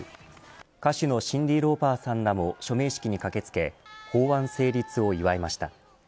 歌手のシンディ・ローパーさんらも署名式に駆け付け法案成立を祝いました。